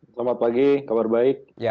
selamat pagi kabar baik